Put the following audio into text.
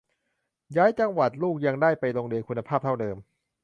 ย้ายจังหวัด ลูกยังได้ไปโรงเรียนคุณภาพเท่าเดิม